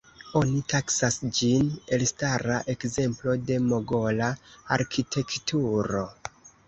Oni taksas ĝin elstara ekzemplo de Mogola arkitekturo.